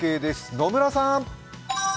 野村さーん。